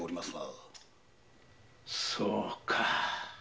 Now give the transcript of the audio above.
そうか。